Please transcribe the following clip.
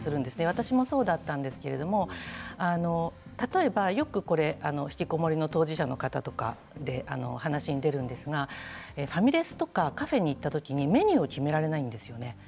私もそうでしたけど例えば、よくひきこもりの当事者の方とか話が出るんですがファミレスとかカフェに行った時にメニューを決められないんですよね。